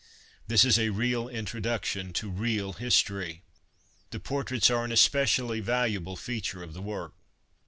This is a real introduction to real history. The portraits are an especially valuable feature of the work.